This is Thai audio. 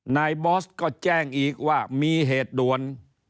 บอสก็แจ้งอีกว่ามีเหตุด่วน